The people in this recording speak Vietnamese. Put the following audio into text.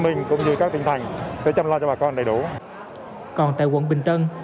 bình cũng như các tỉnh thành sẽ chăm lo cho bà con đầy đủ còn tại quận bình tân